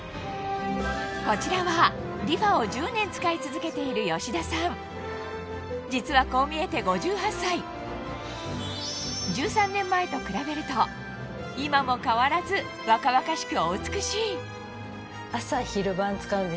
こちらはリファを１０年使い続けている吉田さん実はこう見えて５８歳１３年前と比べると今も変わらず若々しく